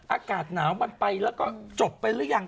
อากาศหนาวมันไปแล้วก็จบไปหรือยัง